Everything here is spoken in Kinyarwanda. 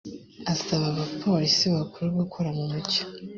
asaba abapolisi bakuru gukora mu mucyo